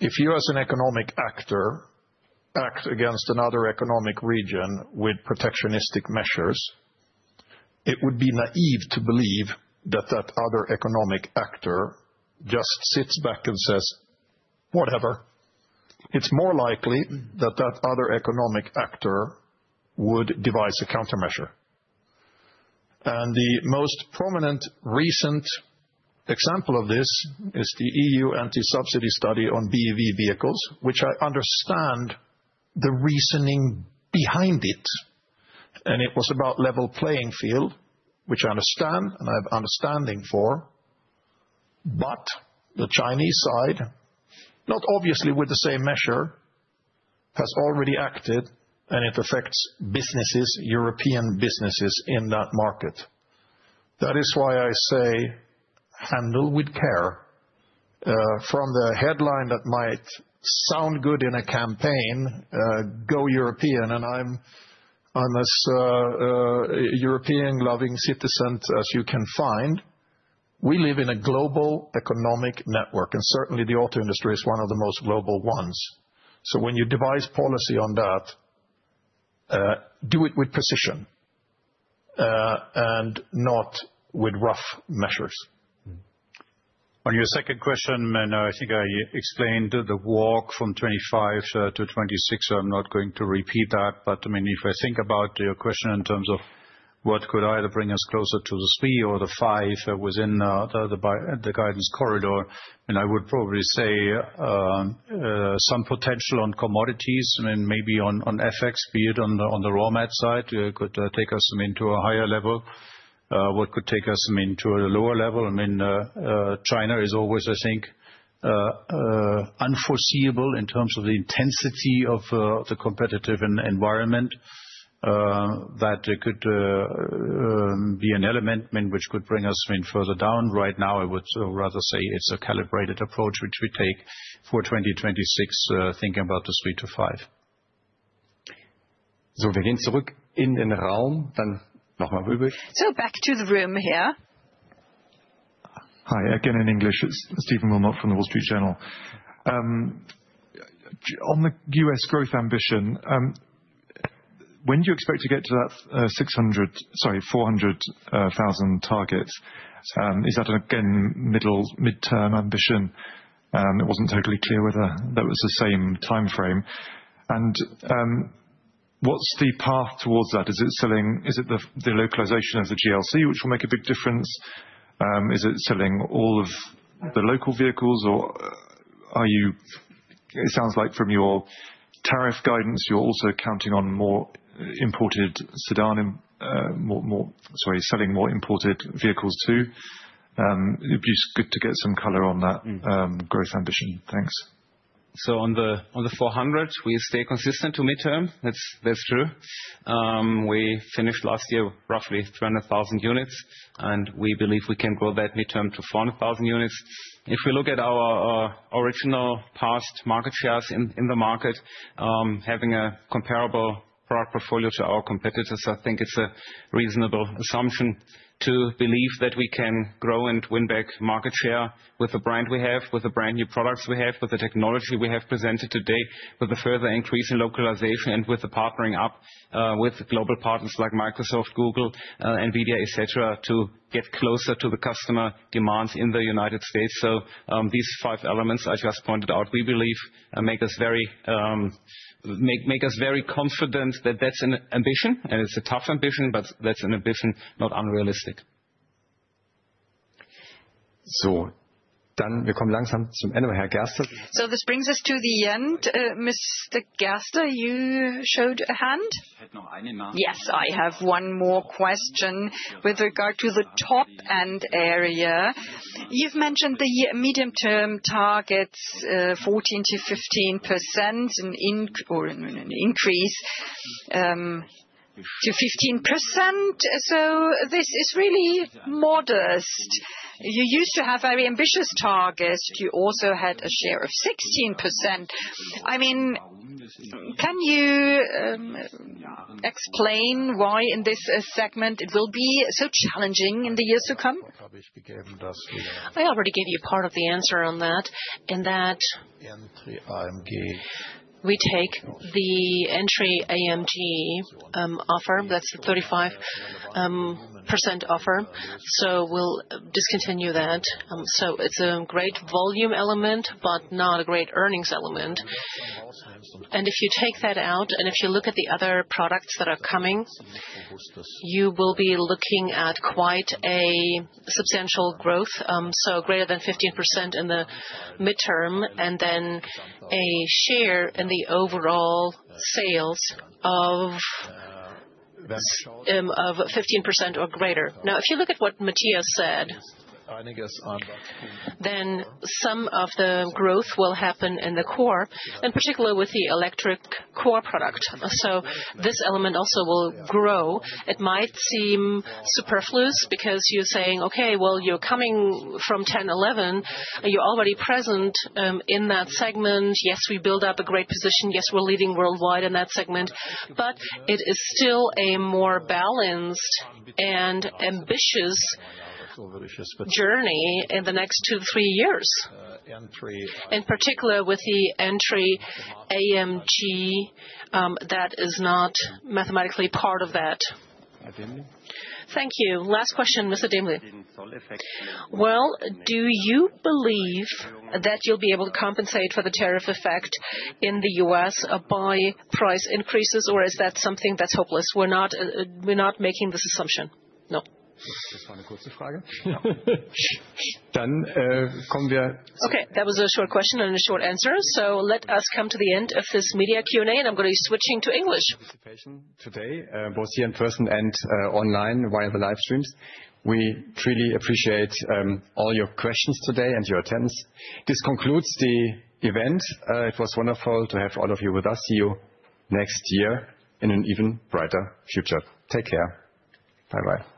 If you, as an economic actor, act against another economic region with protectionist measures, it would be naive to believe that that other economic actor just sits back and says, "Whatever." It's more likely that that other economic actor would devise a countermeasure. And the most prominent recent example of this is the EU anti-subsidy study on BEV vehicles, which I understand the reasoning behind it. And it was about level playing field, which I understand and I have understanding for. But the Chinese side, not obviously with the same measure, has already acted, and it affects businesses, European businesses in that market. That is why I say handle with care, from the headline that might sound good in a campaign, Go European, and I'm as European-loving citizen as you can find. We live in a global economic network, and certainly the auto industry is one of the most global ones. So when you devise policy on that, do it with precision, and not with rough measures. On your second question, and I think I explained the walk from 2025 to 2026, so I'm not going to repeat that. But, I mean, if I think about your question in terms of what could either bring us closer to the 3 or the 5 within the guidance corridor, and I would probably say some potential on commodities and maybe on FX, be it on the raw mat side, could take us into a higher level. What could take us, I mean, to a lower level, I mean, China is always, I think, unforeseeable in terms of the intensity of the competitive environment, that could be an element which could bring us in further down. Right now, I would rather say it's a calibrated approach, which we take for 2026, thinking about the 3-5. Back to the room here. Hi, again, in English, it's Stephen Wilmot from the Wall Street Journal. On the US growth ambition, when do you expect to get to that 600, sorry, 400 thousand targets? Is that again midterm ambition? It wasn't totally clear whether that was the same timeframe. What's the path towards that? Is it selling? Is it the localization of the GLC, which will make a big difference? Is it selling all of the local vehicles, or are you? It sounds like from your tariff guidance, you're also counting on more imported sedan, more, sorry, selling more imported vehicles, too. It'd be good to get some color on that growth ambition. Thanks.... So on the 400, we stay consistent to midterm. That's true. We finished last year with roughly 300,000 units, and we believe we can grow that midterm to 400,000 units. If we look at our original past market shares in the market, having a comparable product portfolio to our competitors, I think it's a reasonable assumption to believe that we can grow and win back market share with the brand we have, with the brand new products we have, with the technology we have presented today, with the further increase in localization, and with the partnering up with global partners like Microsoft, Google, NVIDIA, et cetera, to get closer to the customer demands in the United States. So, these five elements I just pointed out, we believe, make us very confident that that's an ambition, and it's a tough ambition, but that's an ambition, not unrealistic. So, done. This brings us to the end. Mr. Gerster, you showed a hand? Yes, I have one more question. With regard to the top-end area, you've mentioned the medium-term targets, 14%-15%, an increase to 15%, so this is really modest. You used to have very ambitious targets. You also had a share of 16%. I mean, can you explain why in this segment it will be so challenging in the years to come? I already gave you part of the answer on that, in that we take the entry AMG, offer, that's the 35 offer, so we'll discontinue that. So it's a great volume element, but not a great earnings element. And if you take that out, and if you look at the other products that are coming, you will be looking at quite a substantial growth, so greater than 15% in the midterm, and then a share in the overall sales of, of 15% or greater. Now, if you look at what Matthias said, then some of the growth will happen in the core, in particular with the electric core product. So this element also will grow. It might seem superfluous because you're saying, "Okay, well, you're coming from 10-11, and you're already present in that segment." Yes, we build up a great position. Yes, we're leading worldwide in that segment, but it is still a more balanced and ambitious journey in the next 2-3 years, in particular with the entry AMG that is not mathematically part of that. Thank you. Last question, Mr. Demler. Well, do you believe that you'll be able to compensate for the tariff effect in the U.S. by price increases, or is that something that's hopeless? We're not, we're not making this assumption. No. Done, uh, Okay, that was a short question and a short answer, so let us come to the end of this media Q&A, and I'm going to be switching to English. Participation today both here in person and online via the live streams. We truly appreciate all your questions today and your attendance. This concludes the event. It was wonderful to have all of you with us. See you next year in an even brighter future. Take care. Bye-bye.